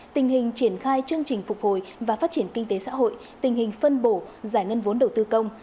tình hình triển khai chương trình phục hồi và phát triển kinh tế xã hội tình hình phân bổ giải ngân vốn đầu tư công